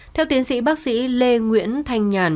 theo tiến sĩ bác sĩ lê nguyễn thanh nhàn